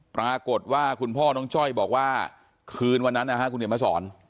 ปรากฏว่าคุณพ่อน้องจ้อยบอกว่าคืนวันนั้นนะฮะคุณเดี๋ยวมาสอน